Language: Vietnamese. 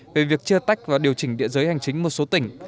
về việc chia tách và điều chỉnh địa giới hành chính một số tỉnh